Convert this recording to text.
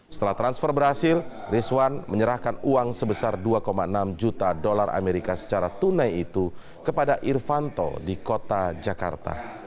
setelah transfer berhasil rizwan menyerahkan uang sebesar dua enam juta dolar amerika secara tunai itu kepada irfanto di kota jakarta